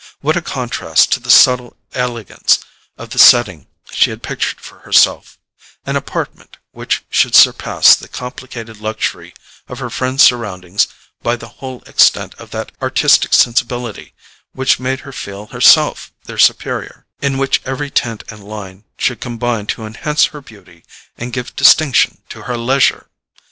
What a contrast to the subtle elegance of the setting she had pictured for herself—an apartment which should surpass the complicated luxury of her friends' surroundings by the whole extent of that artistic sensibility which made her feel herself their superior; in which every tint and line should combine to enhance her beauty and give distinction to her leisure!